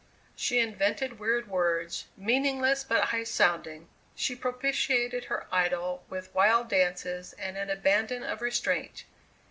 She invented weird words, meaningless but high sounding; she propitiated her idol with wild dances and an abandon of restraint.